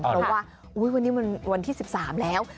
เพราะว่าวันนี้มันวันที่๑๓แล้ว